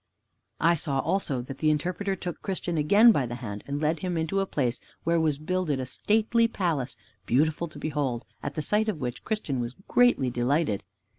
I saw also that the Interpreter took Christian again by the hand and led him into a place, where was builded a stately palace, beautiful to behold, at the sight of which Christian was greatly delighted.